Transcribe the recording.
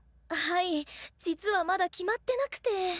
はい実はまだ決まってなくて。